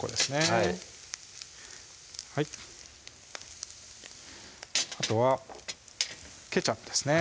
はいあとはケチャップですね